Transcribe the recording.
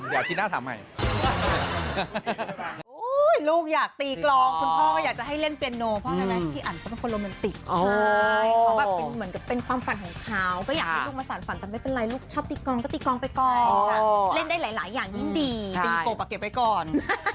เดี๋ยวอาทิตย์หน้าถามใหม่